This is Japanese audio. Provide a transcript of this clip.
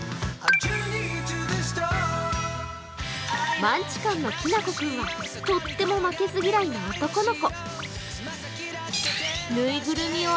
マンチカンのきなこ君はとっても負けず嫌いの男の子。